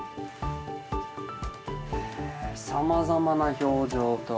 へえさまざまな表情と。